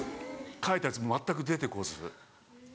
書いたやつ全く出てこず。